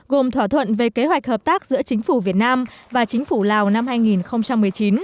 gồm thỏa thuận về kế hoạch hợp tác giữa chính phủ việt nam và chính phủ lào năm hai nghìn một mươi chín